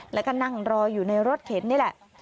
แล้วก็นั่งรออยู่ในรถเข็นนี่แหละ